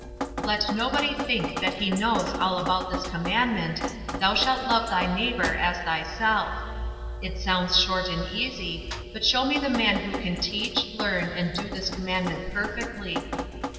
Let nobody think that he knows all about this commandment, "Thou shalt love thy neighbour as thyself." It sounds short and easy, but show me the man who can teach, learn, and do this commandment perfectly.